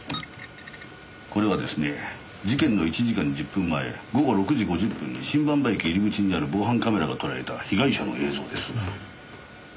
これはですね事件の１時間１０分前午後６時５０分に新馬場駅入り口にある防犯カメラがとらえた被害者の映像です。